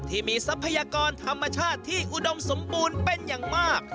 ทรัพยากรธรรมชาติที่อุดมสมบูรณ์เป็นอย่างมาก